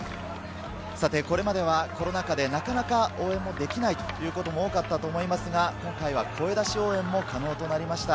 これまではコロナ禍でなかなか応援もできないということも多かったと思いますが、今回は声出し応援も可能となりました。